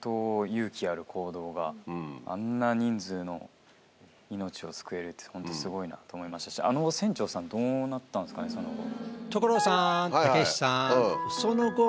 勇気がある行動が、あんな人数の命を救えるって、本当、すごいなと思いましたし、あの船長さん、どうなったんですかね、その後。